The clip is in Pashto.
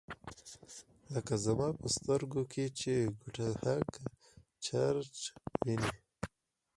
لکه زما په سترګو کې چي “ګوتهک چرچ” ویني